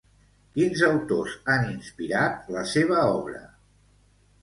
Quins autors han inspirat la seva obra?